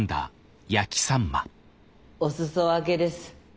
おすそ分けです。